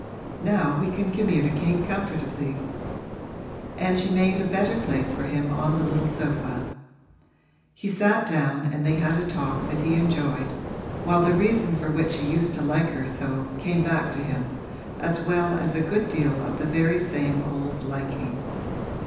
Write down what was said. Now we can communicate comfortably.' And she made a better place for him on the little sofa. He sat down and they had a talk that he enjoyed, while the reason for which he used to like her so came back to him, as well as a good deal of the very same old liking.